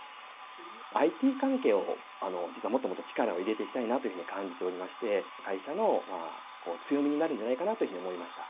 ＩＴ関係を、実はもっともっと力を入れていきたいなというふうに感じておりまして、会社の強みになるんじゃないかなというふうに思いました。